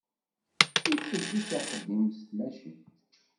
Itteddu s axeddim s tmacint.